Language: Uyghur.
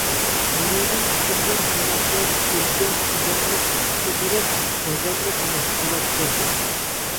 ئۇنىڭدىن تىكىلگەن تۇماقلار كۆركەم، چىداملىق، سىپتا بولۇپ، بازارلىق مەھسۇلاتتۇر.